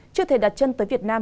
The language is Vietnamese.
chưa thể đặt chân tới việt nam